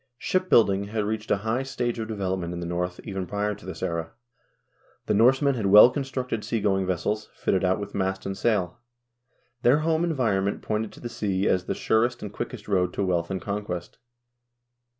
Ship building had reached a high stage of development in the North even prior to this era. The Norsemen had well constructed sea going vessels, fitted out with mast and sail. Their home environ ment pointed to the sea as the surest and quickest road to wealth and conquest.